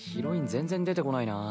全然出てこないな。